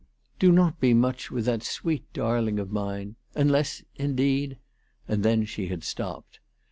" Do not be mucli with tliat sweet darling of mine, unless indeed " And then she had stopped.